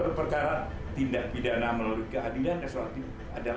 lakukan prosedur yang ada